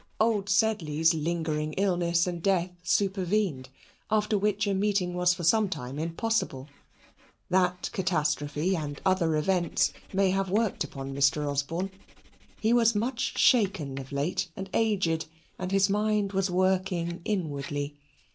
Old Sedley's lingering illness and death supervened, after which a meeting was for some time impossible. That catastrophe and other events may have worked upon Mr. Osborne. He was much shaken of late, and aged, and his mind was working inwardly.